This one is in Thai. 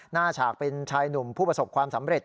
ฉากเป็นชายหนุ่มผู้ประสบความสำเร็จ